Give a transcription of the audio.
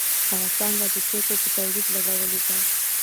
هغه پانګه د توکو په تولید لګولې ده